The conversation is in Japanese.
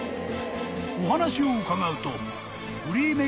［お話を伺うと］